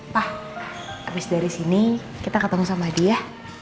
pak habis dari sini kita ketemu sama dia